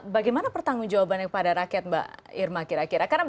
bagaimana pertanggung jawabannya kepada rakyat mbak irma kira kira